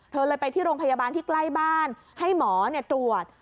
เธอเลยไปที่โรงพยาบาลที่ใกล้บ้านให้หมอตรวจ